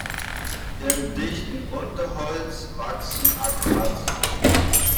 Im dichten Unterholz wachsen Akazien.